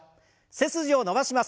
背筋を伸ばします。